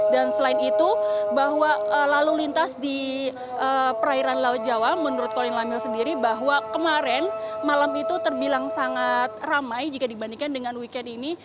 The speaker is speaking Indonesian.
dan selain itu bahwa lalu lintas di perairan laut jawa menurut colin lamil sendiri bahwa kemarin malam itu terbilang sangat ramai jika dibandingkan dengan weekend ini